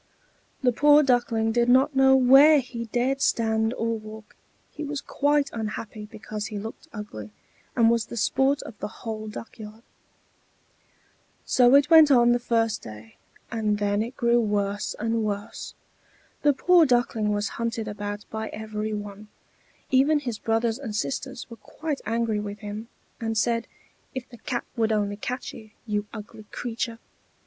The poor Duckling did not know where he dared stand or walk; he was quite unhappy because he looked ugly, and was the sport of the whole duck yard. So it went on the first day; and then it grew worse and worse. The poor Duckling was hunted about by every one; even his brothers and sisters were quite angry with him, and said, "If the cat would only catch you, you ugly creature!"